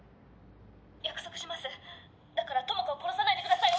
約束しますだから友果を殺さないでください